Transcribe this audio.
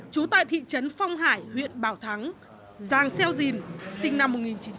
chú tại thị trấn phong hải huyện bảo thắng giang xeo dìn sinh năm một nghìn chín trăm chín mươi